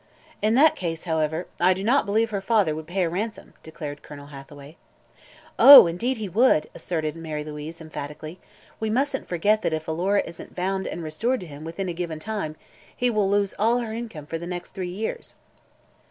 "In that case, however, I do not believe her father would pay a ransom," declared Colonel Hathaway. "Oh, indeed he would!" asserted Mary Louise, emphatically; "we mustn't forget that if Alora isn't found and restored to him within a given time he will lose all her income for the next three years."